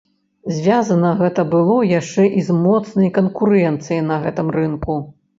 Звязана гэта было яшчэ і з моцнай канкурэнцыяй на гэтым рынку.